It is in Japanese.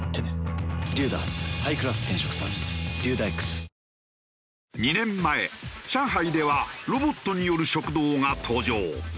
東芝２年前上海ではロボットによる食堂が登場。